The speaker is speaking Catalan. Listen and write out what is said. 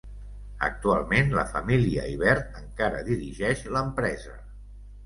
Actualment, la família Yvert encara dirigeix l'empresa.